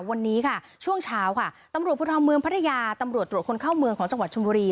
วันนี้ค่ะช่วงเช้าค่ะตำรวจภูทรเมืองพัทยาตำรวจตรวจคนเข้าเมืองของจังหวัดชมบุรี